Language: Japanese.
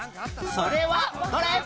それはどれ？